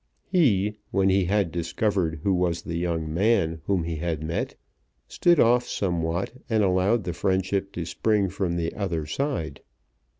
He, when he had discovered who was the young man whom he had met, stood off somewhat, and allowed the friendship to spring from the other side.